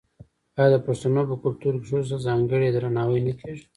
آیا د پښتنو په کلتور کې ښځو ته ځانګړی درناوی نه کیږي؟